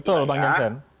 betul bang jansen